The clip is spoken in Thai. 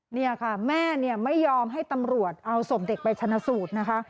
นี่ค่ะแม่เนี่ยไม่ยอมให้ตำรวจเอาศพเด็กไปชนะสูตรนะคะ